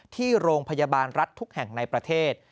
ที่โรงพยาบาลรัฐทุกแห่งในประเทศ